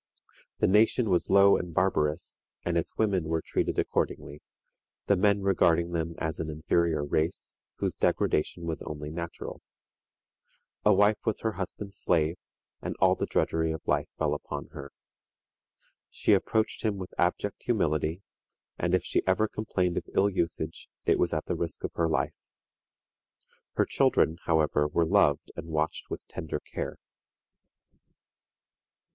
The nation was low and barbarous, and its women were treated accordingly, the men regarding them as an inferior race, whose degradation was only natural. A wife was her husband's slave, and all the drudgery of life fell upon her. She approached him with abject humility, and, if she ever complained of ill usage, it was at the risk of her life; her children, however, were loved and watched with tender care.